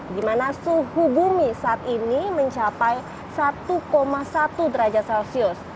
di mana suhu bumi saat ini mencapai satu satu derajat celcius